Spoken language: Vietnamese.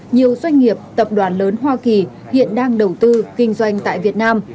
nhiều doanh nghiệp tập đoàn lớn hoa kỳ hiện đang đầu tư kinh doanh tại việt nam